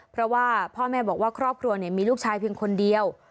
เพราะว่าพ่อแม่บอกว่าครอบครัวมีลูกชายเพียงคนเดียว